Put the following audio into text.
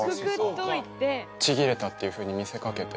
ちぎれたっていうふうに見せかけて。